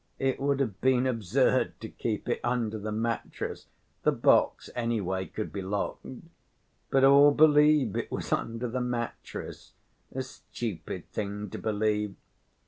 It would have been absurd to keep it under the mattress; the box, anyway, could be locked. But all believe it was under the mattress. A stupid thing to believe.